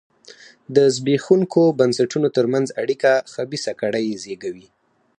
د زبېښونکو بنسټونو ترمنځ اړیکه خبیثه کړۍ زېږوي.